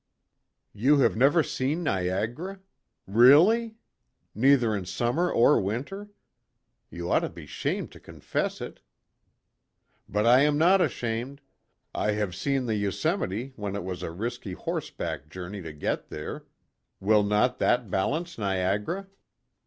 YOU have never seen Niagara ! Really ? Neither in summer or winter ? You ought to be ashamed to confess it." "But I am not ashamed. I have seen the Yosemite when it was a risky horseback journey to get there will not that balance Niagara?"